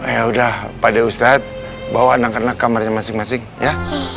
ya udah pada ustadz bawa anak anak kamarnya masing masing ya